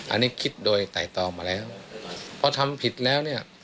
อันนี้คิดโดยไต่ตองมาแล้วพอทำผิดแล้วเนี่ย